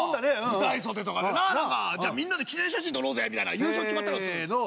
舞台袖とかでな「じゃあみんなで記念写真撮ろうぜ！」みたいな優勝決まったらっつうの。